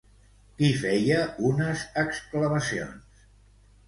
Qui feia unes exclamacions?